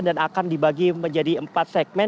dan akan dibagi menjadi empat segmen